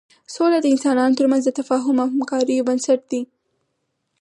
سوله د انسانانو تر منځ د تفاهم او همکاریو بنسټ دی.